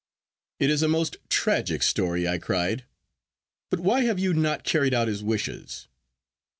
'It is a most tragic story,' I cried; 'but why have you not carried out his wishes?